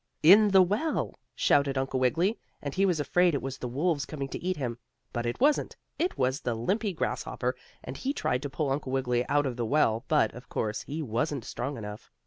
"In the well," shouted Uncle Wiggily, and he was afraid it was the wolves coming to eat him. But it wasn't, it was the limpy grasshopper, and he tried to pull Uncle Wiggily out of the well, but, of course, he wasn't strong enough.